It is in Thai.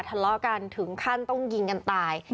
ทะเลาะกันถึงขั้นต้องยิงกันตาย